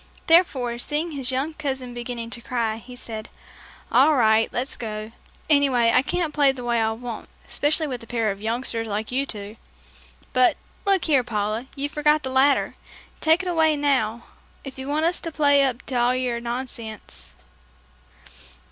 Therefore, seeing his young cousin beginning to cry, he said, "All right, let's go. Anyway, I can't play the way I want, especially with a pair of youngsters like you two. But, look here, Paula, you forgot the ladder. Take it away now, if you want us to play up to all your nonsense."